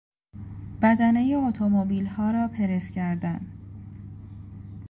بدنهی اتومبیلها را پرس کردن